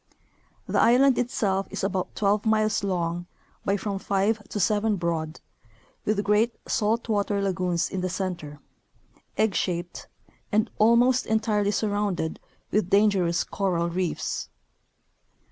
The island itself is about twelve miles long by from five to seven broad, with great salt water lagoons in the center — egg shaped — and almost entirely surrounded with dangerous coral reefs.